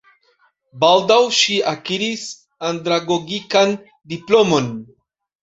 Baldaŭ ŝi akiris andragogikan diplomon.